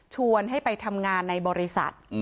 ชวนให้ไปทำงานในบริษัท